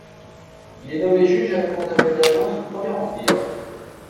Il est nommé juge à la Cour d'Appel d'Agen sous le Premier Empire.